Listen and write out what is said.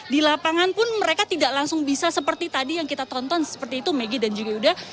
di lapangan pun mereka tidak langsung bisa seperti tadi yang kita tonton seperti itu megi dan juga yuda